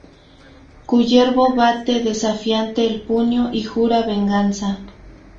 Kullervo bate desafiante el puño y jura venganza.